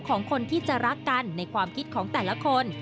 ของคนที่จะรักกันในความคิดของแต่ละคน